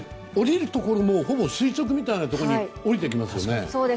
下りるところもほぼ垂直みたいなところに下りていきますよね。